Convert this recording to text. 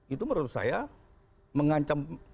itu menurut saya mengancam